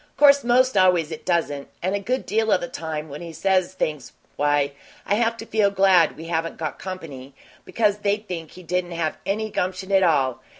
'Course, most always it doesn't, and a good deal of the time, when he says things, why, I have to feel glad we haven't got company, because they'd think he didn't have any gumption at all.